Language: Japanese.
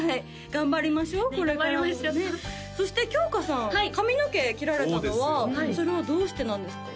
頑張りましょうこれからもねそしてきょうかさん髪の毛切られたのはそれはどうしてなんですか？